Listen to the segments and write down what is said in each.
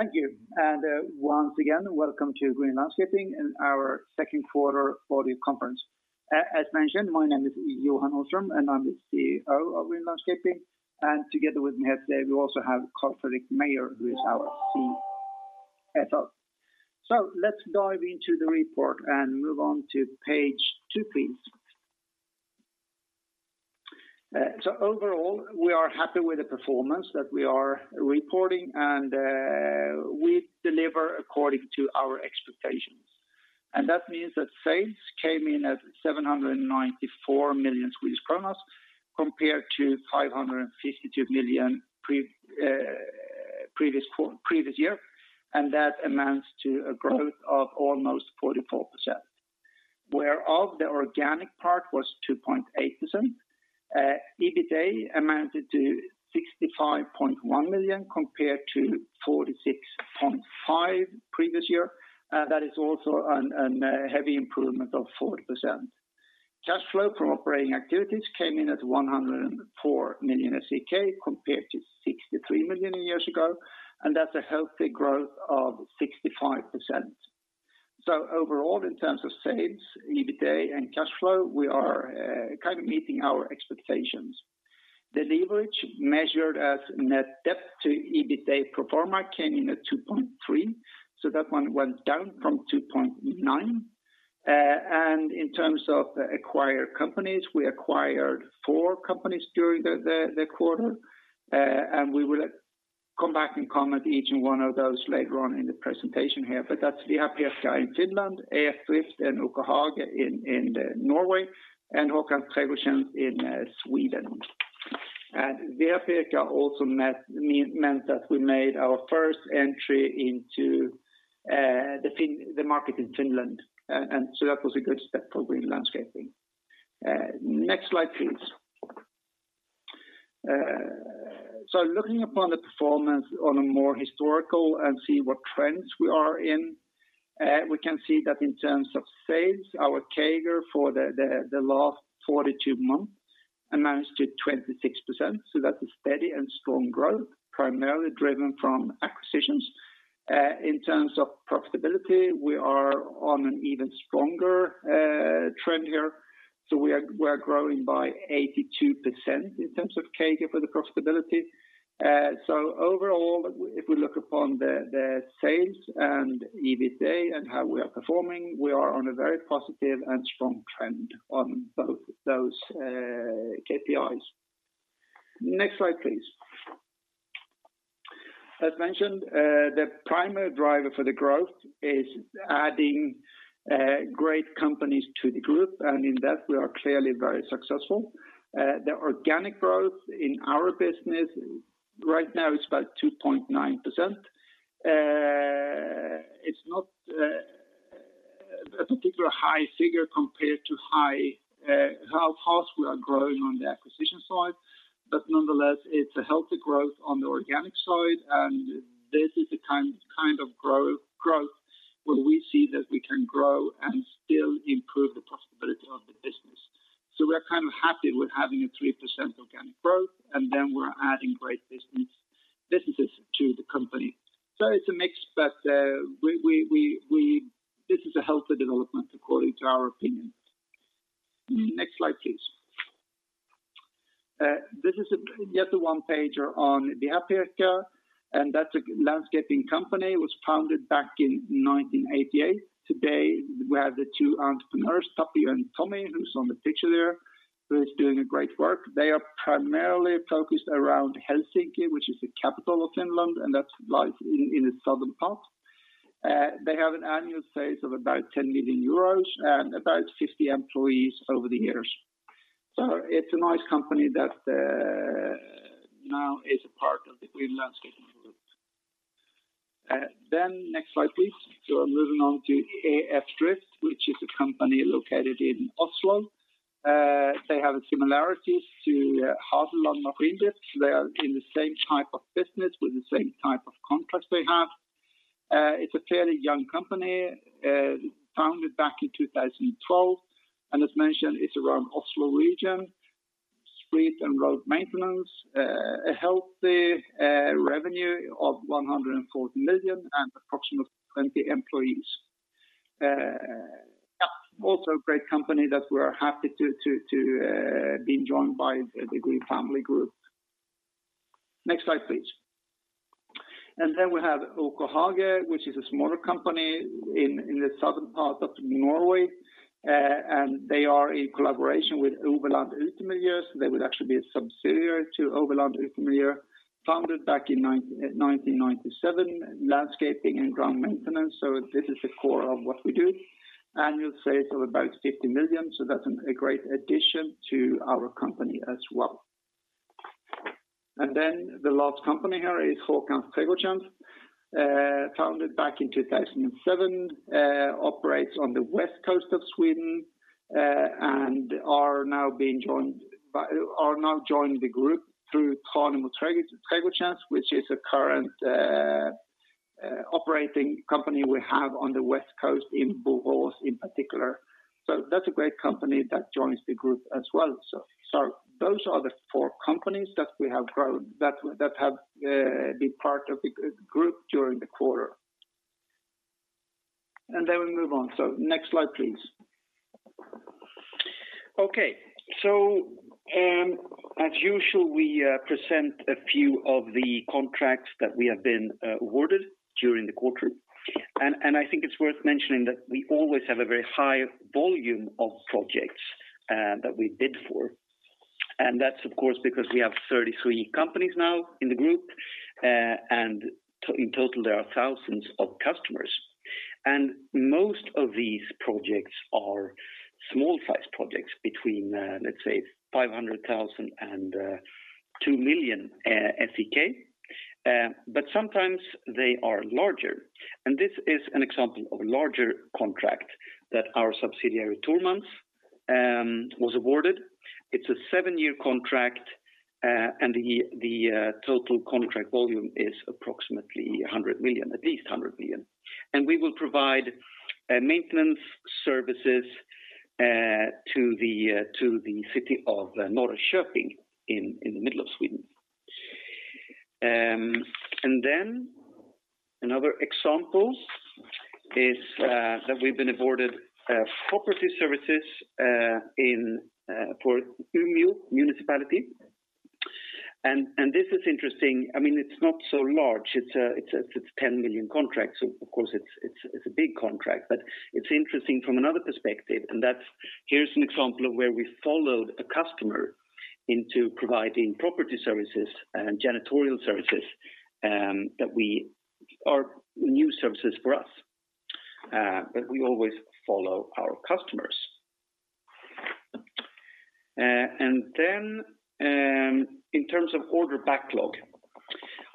Thank you. Once again, welcome to Green Landscaping and our second quarter audio conference. As mentioned, my name is Johan Nordström, and I'm the CEO of Green Landscaping. Together with me here today, we also have Carl-Fredrik Meijer, who is our CFO. Let's dive into the report and move on to page two, please. Overall, we are happy with the performance that we are reporting, and we deliver according to our expectations. That means that sales came in at 794 million, compared to 552 million previous year, and that amounts to a growth of almost 44%. Whereof the organic part was 2.8%. EBITDA amounted to 65.1 million compared to 46.5 previous year. That is also an heavy improvement of 40%. Cash flow from operating activities came in at 104 million SEK compared to 63 million years ago. That's a healthy growth of 65%. Overall, in terms of sales, EBITDA, and cash flow, we are kind of meeting our expectations. The leverage measured as net debt to EBITDA pro forma came in at 2.3x. That one went down from 2.9x. In terms of the acquired companies, we acquired four companies during the quarter, and we will come back and comment each one of those later on in the presentation here. That's Viher-Pirkka in Finland, EF Drift and OK Hage in Norway, and Håkans Trädgårdstjänst in Sweden. Viher-Pirkka also meant that we made our first entry into the market in Finland. That was a good step for Green Landscaping. Next slide, please. Looking upon the performance on a more historical and see what trends we are in, we can see that in terms of sales, our CAGR for the last 42 months amounts to 26%. That's a steady and strong growth, primarily driven from acquisitions. In terms of profitability, we are on an even stronger trend here. We are growing by 82% in terms of CAGR for the profitability. Overall, if we look upon the sales and EBITDA and how we are performing, we are on a very positive and strong trend on both those KPIs. Next slide, please. As mentioned, the primary driver for the growth is adding great companies to the group, and in that we are clearly very successful. The organic growth in our business right now is about 2.9%. It's not a particular high figure compared to how fast we are growing on the acquisition side. Nonetheless, it's a healthy growth on the organic side, and this is the kind of growth where we see that we can grow and still improve the profitability of the business. We are kind of happy with having a 3% organic growth, and then we're adding great businesses to the company. It's a mix, but this is a healthy development according to our opinion. Next slide, please. This is just a one pager on Viher-Pirkka, and that's a landscaping company. It was founded back in 1988. Today, we have the two entrepreneurs, Tapio and Tommi, who's on the picture there, who is doing a great work. They are primarily focused around Helsinki, which is the capital of Finland, and that lies in the southern part. They have an annual sales of about 10 million euros and about 50 employees over the years. It's a nice company that now is a part of the Green Landscaping Group. Next slide, please. Moving on to EF Drift AS, which is a company located in Oslo. They have a similarities to Lofoten Industri AS. They are in the same type of business with the same type of contracts they have. It's a fairly young company, founded back in 2012. As mentioned, it's around Oslo region, street and road maintenance. A healthy revenue of 140 million and approximately 20 employees. That's also a great company that we are happy to be joined by the Green Landscaping Group. Next slide, please. We have OK Hage, which is a smaller company in the southern part of Norway. They are in collaboration with Oveland Utemiljø. They will actually be a subsidiary to Oveland Utemiljø. Founded back in 1997, landscaping and ground maintenance. This is the core of what we do. Annual sales of about 50 million. That's a great addition to our company as well. The last company here is Håkans Trädgårdstjänst. Founded back in 2007, operates on the west coast of Sweden and are now joined the group through Tranemo Trädgårdstjänst, which is a current Operating company we have on the West Coast in Borås in particular. That's a great company that joins the group as well. Those are the four companies that have been part of the group during the quarter. Then we move on. Next slide, please. Okay. As usual, we present a few of the contracts that we have been awarded during the quarter, and I think it's worth mentioning that we always have a very high volume of projects that we bid for. That's of course because we have 33 companies now in the group. In total there are thousands of customers. Most of these projects are small size projects between, let's say 500,000 and 2 million SEK. Sometimes they are larger. This is an example of a larger contract that our subsidiary Thormans was awarded. It's a seven-year contract. The total contract volume is approximately at least 100 million. We will provide maintenance services to the city of Norrköping in the middle of Sweden. Another example is that we've been awarded property services for Umeå Municipality. This is interesting. It's not so large. It's 10 million contract. Of course it's a big contract, but it's interesting from another perspective. Here's an example of where we followed a customer into providing property services and janitorial services, new services for us. We always follow our customers. In terms of order backlog.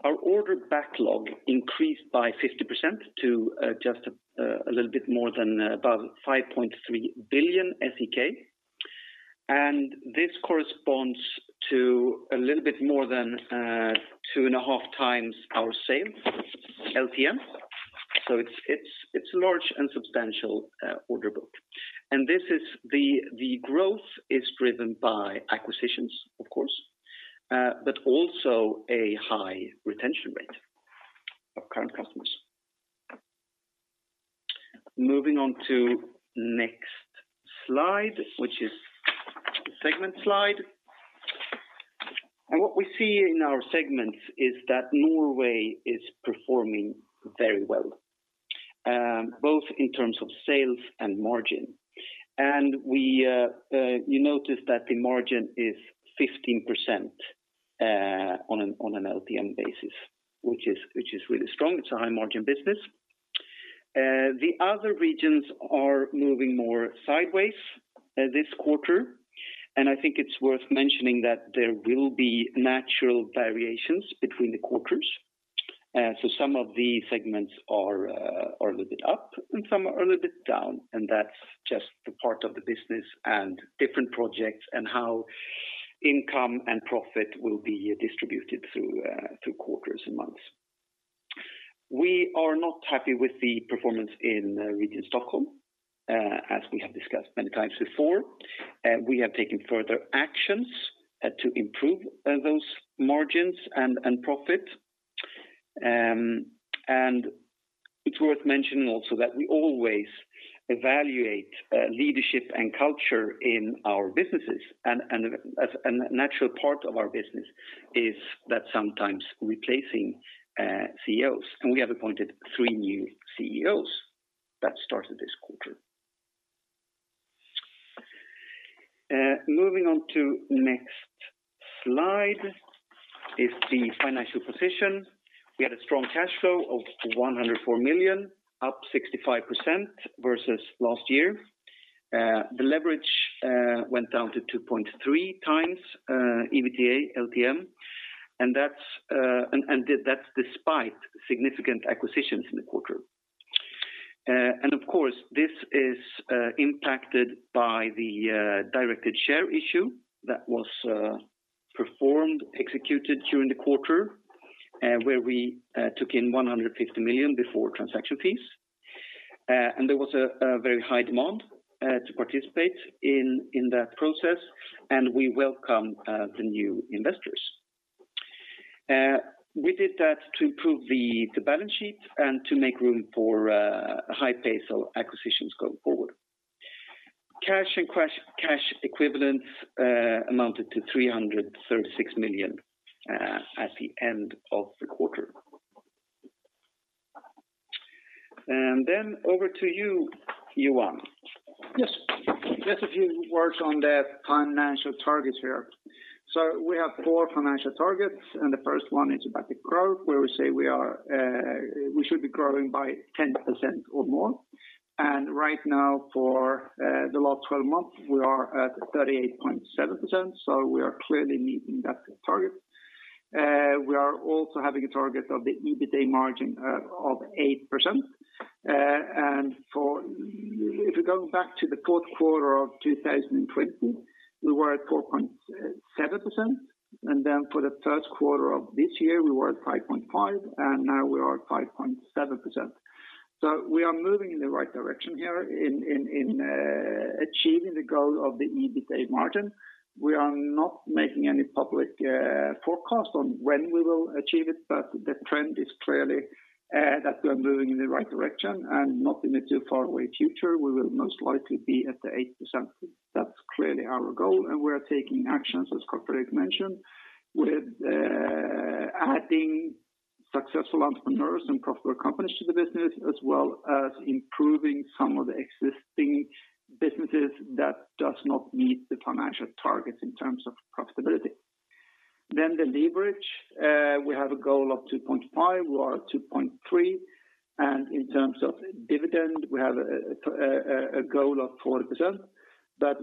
Our order backlog increased by 50% to just a little bit more than about 5.3 billion SEK. This corresponds to a little bit more than 2.5x our sales LTM. It's a large and substantial order book. The growth is driven by acquisitions, of course, but also a high retention rate of current customers. Moving on to next slide, which is the segment slide. What we see in our segments is that Norway is performing very well, both in terms of sales and margin. You notice that the margin is 15% on an LTM basis, which is really strong. It's a high margin business. The other regions are moving more sideways this quarter, and I think it's worth mentioning that there will be natural variations between the quarters. Some of the segments are a little bit up and some are a little bit down, and that's just the part of the business and different projects and how income and profit will be distributed through quarters and months. We are not happy with the performance in Region Stockholm, as we have discussed many times before. We have taken further actions to improve those margins and profit. It's worth mentioning also that we always evaluate leadership and culture in our businesses. As a natural part of our business is that sometimes replacing CEOs, and we have appointed three new CEOs that started this quarter. Moving on to next slide is the financial position. We had a strong cash flow of 104 million, up 65% versus last year. The leverage went down to 2.3x EBITDA LTM. That's despite significant acquisitions in the quarter. Of course, this is impacted by the directed share issue that was performed, executed during the quarter, where we took in 150 million before transaction fees. There was a very high demand to participate in that process, and we welcome the new investors. We did that to improve the balance sheet and to make room for a high pace of acquisitions going forward. Cash and cash equivalents amounted to 336 million at the end of the quarter. Then over to you, Johan. Yes. Just a few words on the financial targets here. We have four financial targets, and the first one is about the growth, where we say we should be growing by 10% or more. Right now for the last 12 months, we are at 38.7%. We are clearly meeting that target. We are also having a target of the EBITDA margin of 8%. If you go back to the fourth quarter of 2020, we were at 4.7%. For the first quarter of this year, we were at 5.5%, and now we are at 5.7%. We are moving in the right direction here in achieving the goal of the EBITA margin. We are not making any public forecast on when we will achieve it, the trend is clearly that we are moving in the right direction and not in the too far away future, we will most likely be at the 8%. That's clearly our goal, and we're taking actions, as Fredrik mentioned, with adding successful entrepreneurs and profitable companies to the business, as well as improving some of the existing businesses that does not meet the financial targets in terms of profitability. The leverage, we have a goal of 2.5x. We are at 2.3x, in terms of dividend, we have a goal of 4%,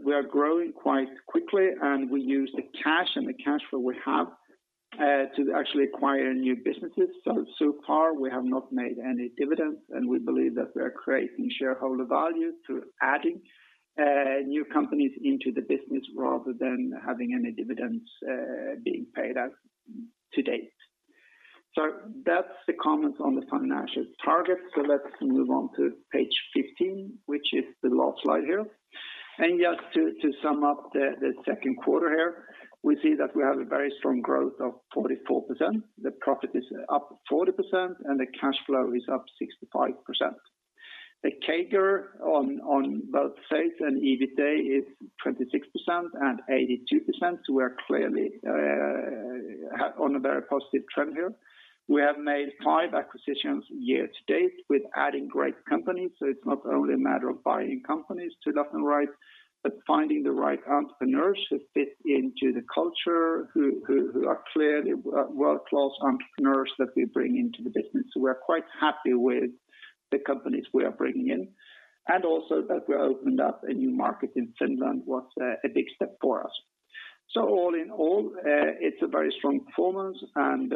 we are growing quite quickly, and we use the cash and the cash flow we have to actually acquire new businesses. Far we have not made any dividends. We believe that we are creating shareholder value through adding new companies into the business rather than having any dividends being paid out to date. That's the comments on the financial targets. Let's move on to page 15, which is the last slide here. Just to sum up the second quarter here, we see that we have a very strong growth of 44%. The profit is up 40%. The cash flow is up 65%. The CAGR on both sales and EBITA is 26% and 82%. We're clearly on a very positive trend here. We have made five acquisitions year to date with adding great companies, it's not only a matter of buying companies to left and right, but finding the right entrepreneurs who fit into the culture, who are clearly world-class entrepreneurs that we bring into the business. We're quite happy with the companies we are bringing in, and also that we opened up a new market in Finland was a big step for us. All in all, it's a very strong performance, and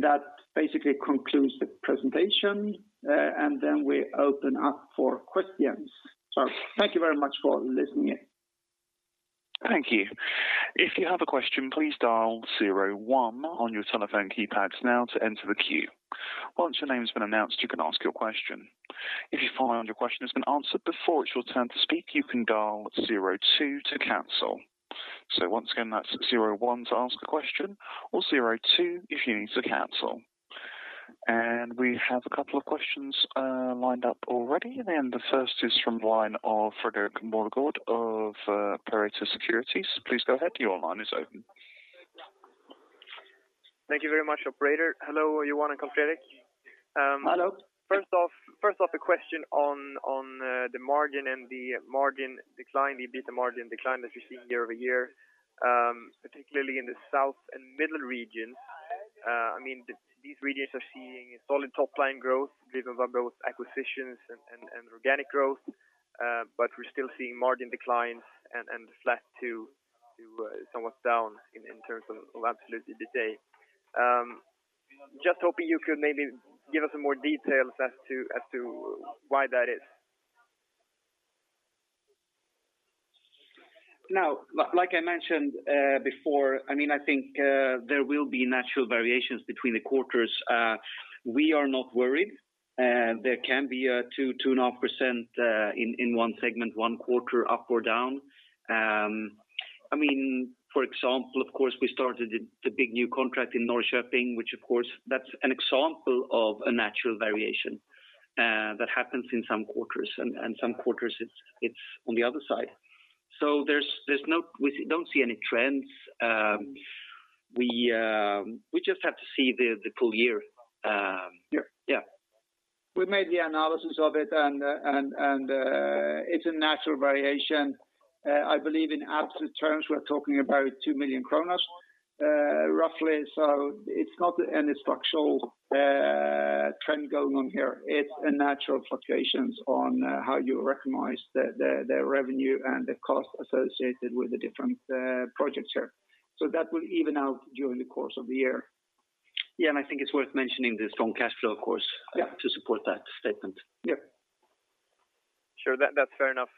that basically concludes the presentation, and then we open up for questions. Thank you very much for listening in. Thank you. If you have a question, please dial zero one on your telephone keypads now to enter the queue. Once your name's been announced, you can ask your question. If you find your question has been answered before it's your turn to speak, you can dial zero two to cancel. Once again, that's zero one to ask a question or zero two if you need to cancel. We have a couple of questions lined up already, and the first is from the line of Fredrik Moregård of Pareto Securities. Please go ahead. Your line is open. Thank you very much, operator. Hello, Johan and Fredrik. Hello. First off, a question on the margin and the margin decline, the EBITA margin decline that you're seeing year-over-year, particularly in the south and middle regions. These regions are seeing solid top-line growth driven by both acquisitions and organic growth. We're still seeing margin declines and flat to somewhat down in terms of absolute EBITA. Just hoping you could maybe give us some more details as to why that is? Like I mentioned before, I think there will be natural variations between the quarters. We are not worried. There can be a 2.5% in one segment, one quarter up or down. Of course, we started the big new contract in Norrköping, which of course, that's an example of a natural variation that happens in some quarters, and some quarters it's on the other side. We don't see any trends. We just have to see the full year. Yeah. We made the analysis of it, and it's a natural variation. I believe in absolute terms, we're talking about 2 million, roughly. It's not any structural trend going on here. It's a natural fluctuations on how you recognize the revenue and the cost associated with the different projects here. That will even out during the course of the year. Yeah, I think it's worth mentioning the strong cash flow, of course- Yeah. to support that statement. Yeah. Sure. That's fair enough.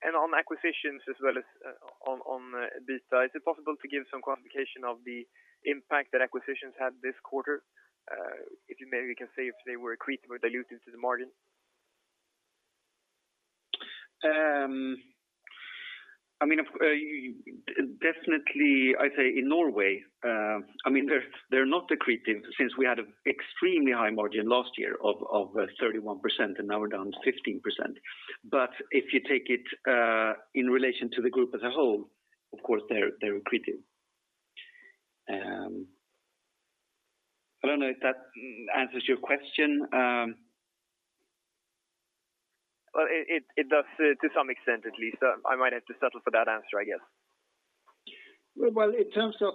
On acquisitions as well as on this side, is it possible to give some quantification of the impact that acquisitions had this quarter? If you maybe can say if they were accretive or dilutive to the margin? Definitely, I'd say in Norway, they're not accretive since we had an extremely high margin last year of 31%, and now we're down to 15%. If you take it in relation to the group as a whole, of course, they're accretive. I don't know if that answers your question. Well, it does to some extent, at least. I might have to settle for that answer, I guess. Well, in terms of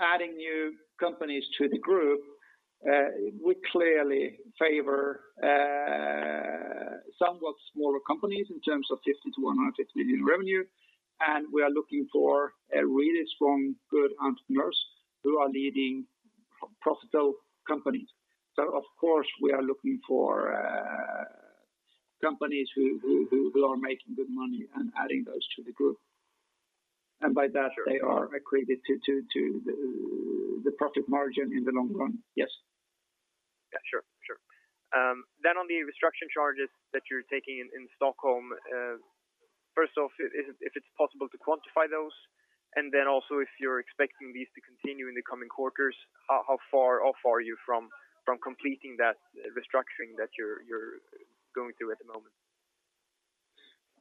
adding new companies to the group, we clearly favor somewhat smaller companies in terms of 50 million-150 million in revenue. We are looking for really strong, good entrepreneurs who are leading profitable companies. Of course, we are looking for companies who are making good money and adding those to the group. Sure. They are accretive to the profit margin in the long run. Yes. Yeah. Sure. On the restructuring charges that you're taking in Stockholm. First off, if it's possible to quantify those, then also if you're expecting these to continue in the coming quarters, how far are you from completing that restructuring that you're going through at the moment?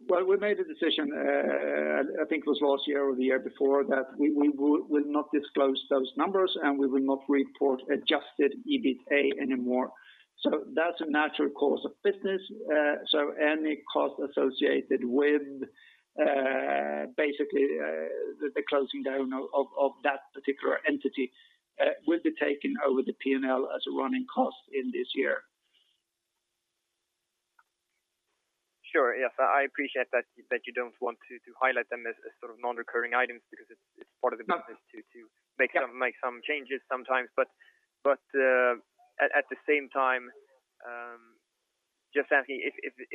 Well, we made a decision, I think it was last year or the year before, that we will not disclose those numbers, and we will not report adjusted EBITDA anymore. That's a natural course of business. Any cost associated with basically the closing down of that particular entity will be taken over the P&L as a running cost in this year. Sure. Yes. I appreciate that you don't want to highlight them as sort of non-recurring items because it's part of the business to make some changes sometimes. At the same time, just asking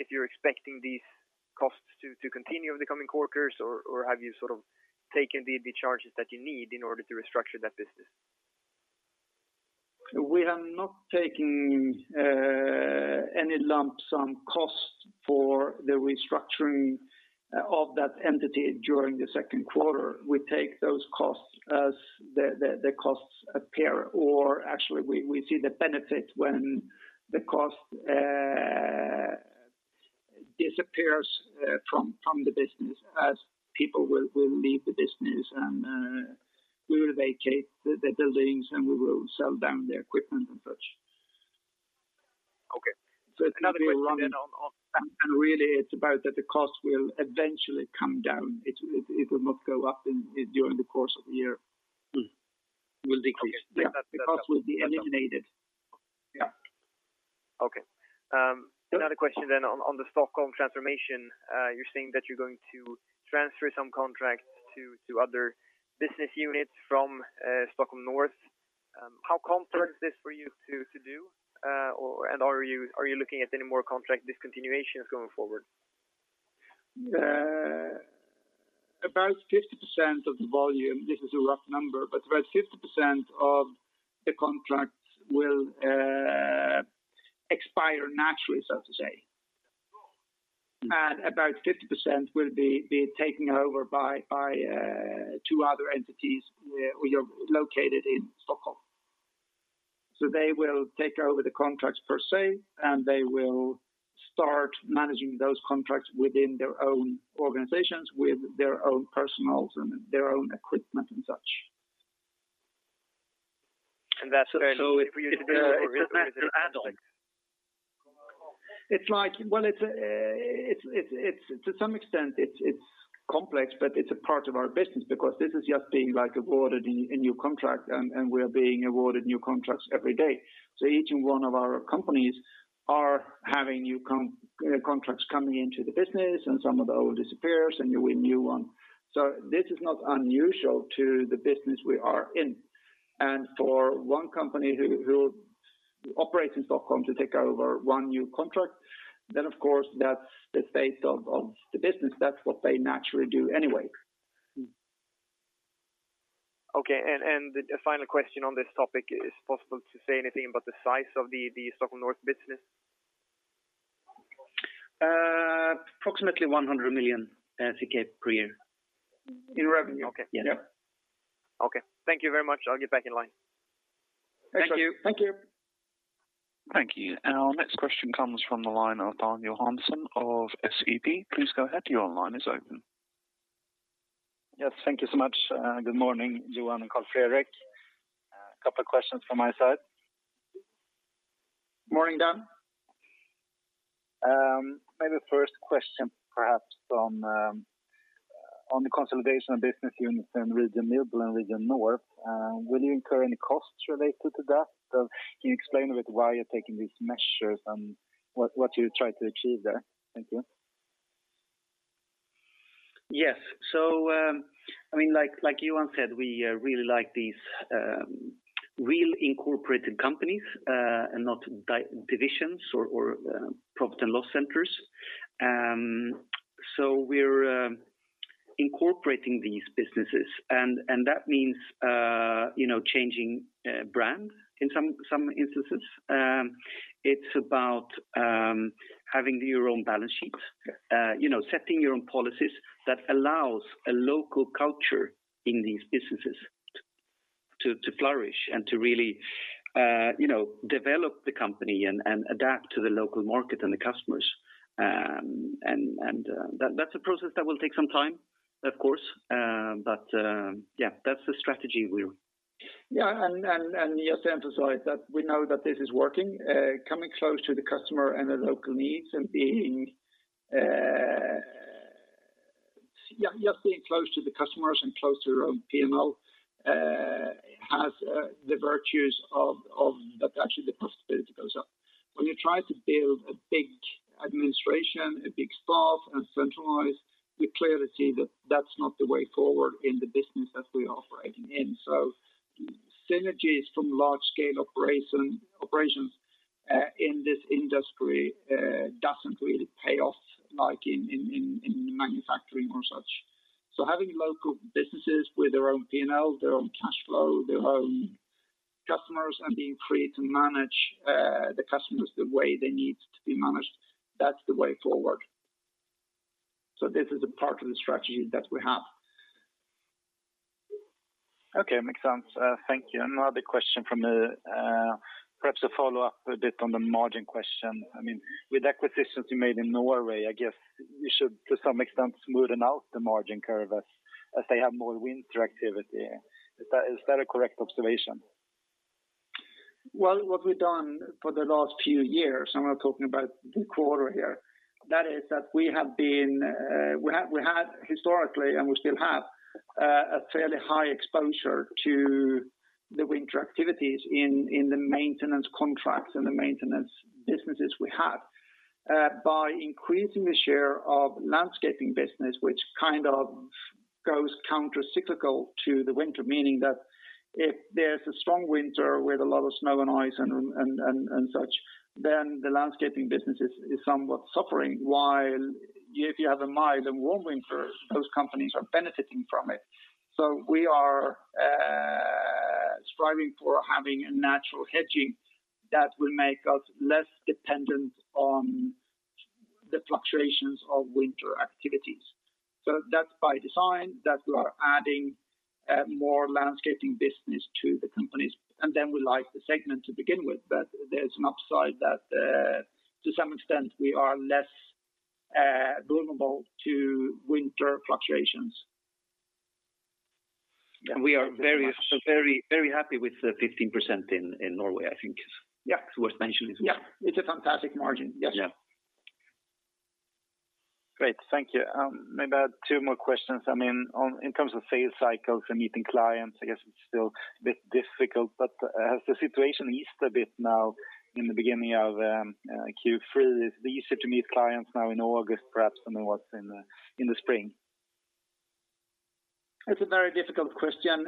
if you're expecting these costs to continue over the coming quarters or have you sort of taken the charges that you need in order to restructure that business? We are not taking any lump sum cost for the restructuring of that entity during the second quarter. We take those costs as the costs appear. Actually, we see the benefit when the cost disappears from the business as people will leave the business, and we will vacate the buildings, and we will sell down the equipment and such. Okay. Another question then. Really, it's about that the cost will eventually come down. It will not go up during the course of the year. It will decrease. Okay. The cost will be eliminated. Yeah. Okay. Another question on the Stockholm transformation. You're saying that you're going to transfer some contracts to other business units from Stockholm North. How complex is this for you to do? Are you looking at any more contract discontinuations going forward? About 50% of the volume, this is a rough number, but about 50% of the contracts will expire naturally, so to say. About 50% will be taken over by two other entities located in Stockholm. They will take over the contracts per se, and they will start managing those contracts within their own organizations, with their own personnel and their own equipment and such. That's fairly easy for you to do or is it a complex- It's a natural add-on. To some extent it's complex, but it's a part of our business because this is just being awarded a new contract, and we are being awarded new contracts every day. Each one of our companies are having new contracts coming into the business, and some of the old disappears, and you win new ones. This is not unusual to the business we are in. For one company who operates in Stockholm to take over one new contract, then, of course, that's the state of the business. That's what they naturally do anyway. Okay. The final question on this topic, is it possible to say anything about the size of the Stockholm North business? Approximately 100 million per year. In revenue? Yes. Okay. Thank you very much. I'll get back in line. Thank you. Thank you. Thank you. Our next question comes from the line of Dan Johansson of SEB. Please go ahead, your line is open. Yes, thank you so much. Good morning, Johan and Fredrik. A couple of questions from my side. Morning, Dan. The first question perhaps on the consolidation of business units in Region Middle and Region North. Will you incur any costs related to that? Can you explain a bit why you're taking these measures and what you try to achieve there? Thank you. Yes. Like Johan said, we really like these real incorporated companies, and not divisions or profit and loss centers. We're incorporating these businesses, and that means changing brand in some instances. It's about having your own balance sheets. Yeah. Setting your own policies that allows a local culture in these businesses to flourish and to really develop the company and adapt to the local market and the customers. That's a process that will take some time, of course. Yeah, that's the strategy we're Yeah, just to emphasize that we know that this is working, coming close to the customer and the local needs and being Just being close to the customers and close to your own P&L has the virtues of that actually the possibility goes up. When you try to build a big administration, a big staff, and centralize, we clearly see that that's not the way forward in the business that we are operating in. Synergies from large scale operations in this industry doesn't really pay off like in manufacturing or such. Having local businesses with their own P&L, their own cash flow, their own customers, and being free to manage the customers the way they need to be managed, that's the way forward. This is a part of the strategy that we have. Okay, makes sense. Thank you. Another question from me, perhaps a follow-up a bit on the margin question. With acquisitions you made in Norway, I guess you should, to some extent, smoothen out the margin curve as they have more winter activity. Is that a correct observation? Well, what we've done for the last few years, I'm not talking about the quarter here, that is that we had historically, and we still have, a fairly high exposure to the winter activities in the maintenance contracts and the maintenance businesses we have. By increasing the share of landscaping business, which kind of goes counter-cyclical to the winter, meaning that if there's a strong winter with a lot of snow and ice and such, then the landscaping business is somewhat suffering, while if you have a mild and warm winter, those companies are benefiting from it. We are striving for having a natural hedging that will make us less dependent on the fluctuations of winter activities. That's by design that we are adding more landscaping business to the companies. We like the segment to begin with. There's an upside that to some extent we are less vulnerable to winter fluctuations. We are very happy with the 15% in Norway. Yeah. It was mentioned as well. Yeah, it's a fantastic margin. Yes. Yeah. Great, thank you. Maybe I have two more questions. In terms of sales cycles and meeting clients, I guess it's still a bit difficult, but has the situation eased a bit now in the beginning of Q3? Is it easier to meet clients now in August, perhaps, than it was in the spring? It's a very difficult question,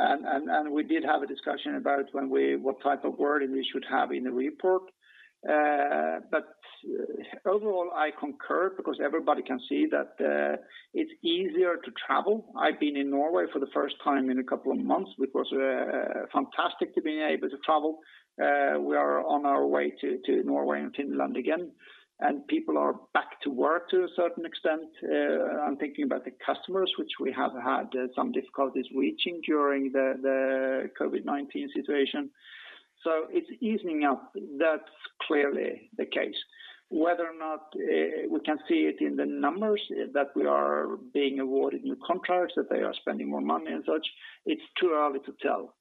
and we did have a discussion about what type of wording we should have in the report. Overall, I concur because everybody can see that it's easier to travel. I've been in Norway for the first time in a couple of months, it was fantastic to be able to travel. We are on our way to Norway and Finland again, and people are back to work to a certain extent. I'm thinking about the customers, which we have had some difficulties reaching during the COVID-19 situation. It's easing up. That's clearly the case. Whether or not we can see it in the numbers that we are being awarded new contracts, that they are spending more money and such, it's too early to tell.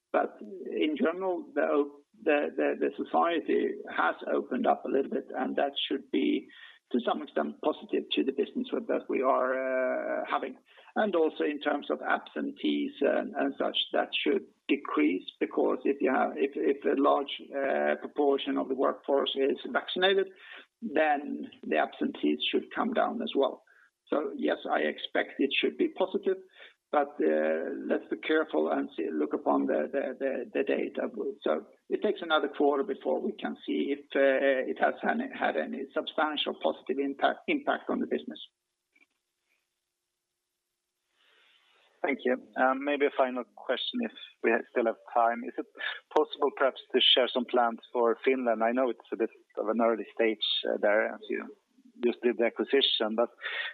In general, the society has opened up a little bit, and that should be, to some extent, positive to the business that we are having. Also in terms of absentees and such, that should decrease, because if a large proportion of the workforce is vaccinated, then the absentees should come down as well. Yes, I expect it should be positive, but let's be careful and look upon the data. It takes another quarter before we can see if it has had any substantial positive impact on the business. Thank you. Maybe a final question if we still have time. Is it possible perhaps to share some plans for Finland? I know it's a bit of an early stage there as you just did the acquisition, but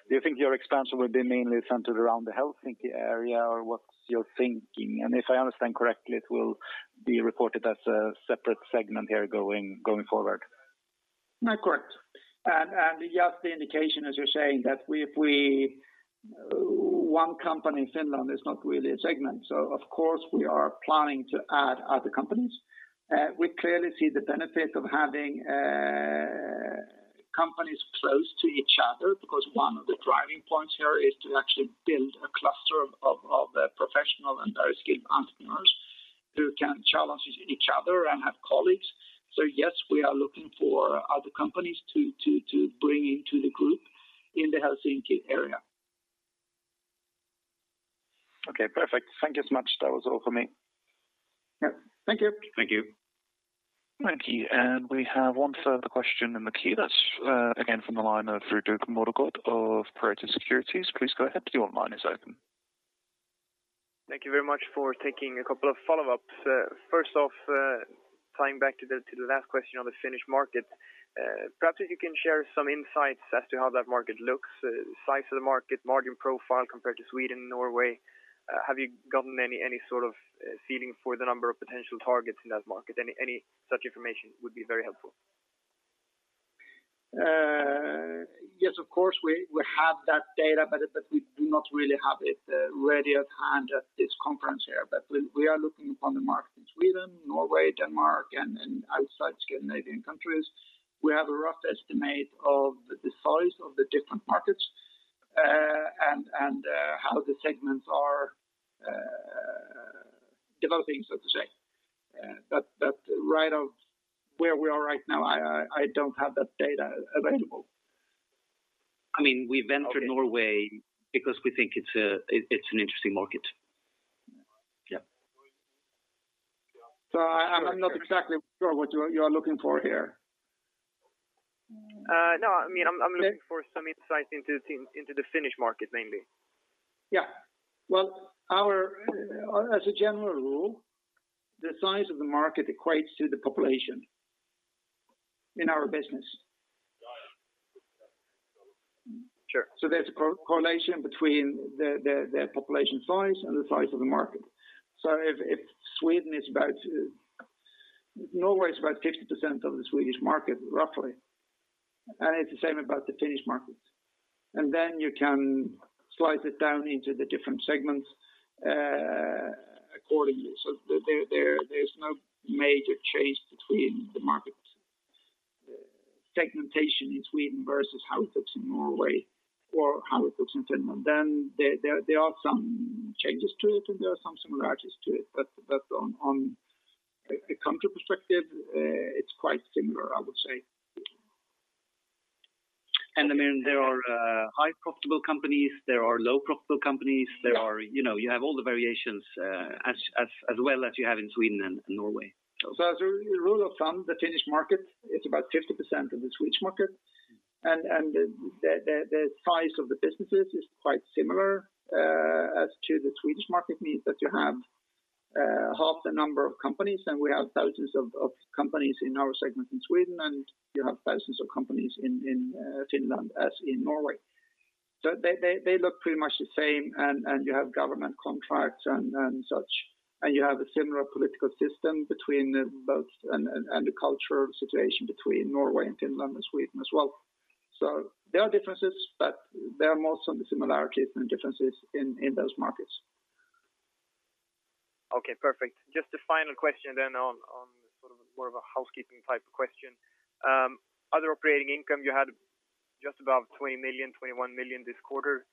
do you think your expansion will be mainly centered around the Helsinki area, or what's your thinking? If I understand correctly, it will be reported as a separate segment here going forward. Correct. Just the indication, as you are saying, that 1 company in Finland is not really a segment. Of course we are planning to add other companies. We clearly see the benefit of having companies close to each other because one of the driving points here is to actually build a cluster of professional and very skilled entrepreneurs who can challenge each other and have colleagues. Yes, we are looking for other companies to bring into the group in the Helsinki area. Okay, perfect. Thank you so much. That was all for me. Yeah. Thank you. Thank you. Thank you. We have one further question in the queue. That's again from the line of Fredrik Moregård of Pareto Securities. Please go ahead, your line is open. Thank you very much for taking a couple of follow-ups. First off, tying back to the last question on the Finnish market, perhaps if you can share some insights as to how that market looks, size of the market, margin profile compared to Sweden, Norway. Have you gotten any sort of feeling for the number of potential targets in that market? Any such information would be very helpful. Yes, of course, we have that data, but we do not really have it ready at hand at this conference here. We are looking upon the market in Sweden, Norway, Denmark, and outside Scandinavian countries. We have a rough estimate of the size of the different markets and how the segments are developing, so to say. Right out where we are right now, I don't have that data available. We've entered Norway because we think it's an interesting market. Yeah. I'm not exactly sure what you're looking for here. No, I'm looking for some insights into the Finnish market mainly. Yeah. Well, as a general rule, the size of the market equates to the population in our business. Sure. There is a correlation between the population size and the size of the market. Norway is about 50% of the Swedish market, roughly, and it is the same about the Finnish markets. You can slice it down into the different segments accordingly. There is no major change between the market segmentation in Sweden versus how it looks in Norway or how it looks in Finland. There are some changes to it and there are some similarities to it, but on a country perspective, it is quite similar, I would say. There are high profitable companies, there are low profitable companies. Yeah. You have all the variations, as well as you have in Sweden and Norway. As a rule of thumb, the Finnish market is about 50% of the Swedish market, and the size of the businesses is quite similar as to the Swedish market, means that you have half the number of companies, and we have thousands of companies in our segment in Sweden, and you have thousands of companies in Finland, as in Norway. They look pretty much the same, and you have government contracts and such, and you have a similar political system and the culture situation between Norway and Finland and Sweden as well. There are differences, but there are more similarities than differences in those markets. Okay, perfect. Just a final question then on more of a housekeeping type of question. Other operating income you had just above 20 million, 21 million this quarter,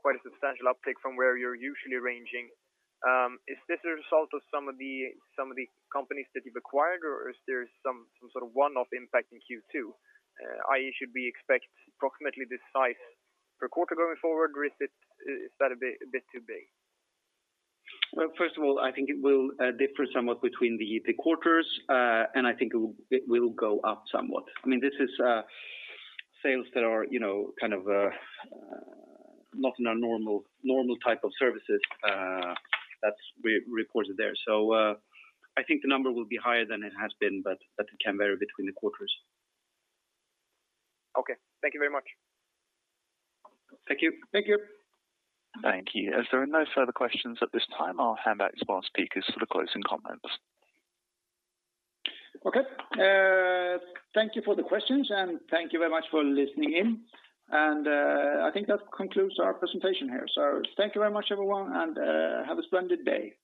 quite a substantial uptick from where you're usually ranging. Is this a result of some of the companies that you've acquired, or is there some sort of one-off impact in Q2? i.e., should we expect approximately this size per quarter going forward, or is that a bit too big? Well, first of all, I think it will differ somewhat between the quarters, and I think it will go up somewhat. This is sales that are not in our normal type of services that we reported there. I think the number will be higher than it has been, but it can vary between the quarters. Okay. Thank you very much. Thank you. Thank you. Thank you. As there are no further questions at this time, I'll hand back to our speakers for the closing comments. Okay. Thank you for the questions, and thank you very much for listening in. I think that concludes our presentation here. Thank you very much, everyone, and have a splendid day.